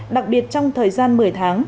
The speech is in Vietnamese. đặc biệt trong thời gian một mươi tháng